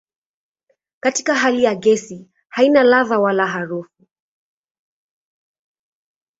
Katika hali ya gesi haina ladha wala harufu.